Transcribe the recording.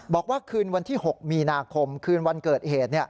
บอกว่าคืนวันที่๖มีนาคมคืนวันเกิดเหตุ